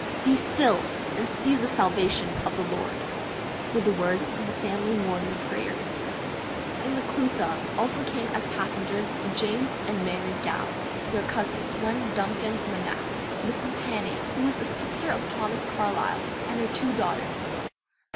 "Be still, and see the salvation of the Lord," were the words of the family morning prayers. In the 'Clutha' also came as passengers James and Mary Gow; their cousin, one Duncan Monach; Mrs. Hanning, who was a sister of Thomas Carlyle; and her two daughters.